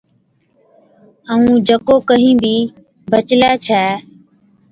ائُون جڪو ڪهِين بِي بچلَي ڇَي